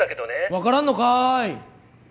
分からんのかい！